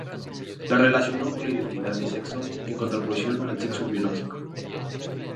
La relacionó con la identidad de sexo en contraposición al sexo biológico.